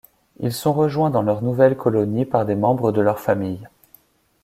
Ils sont rejoints dans leur nouvelle colonie par des membres de leur famille.